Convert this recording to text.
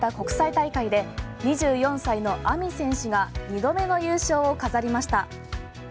パリで行われた国際大会で２４歳のＡｍｉ選手が２度目の優勝を飾りました。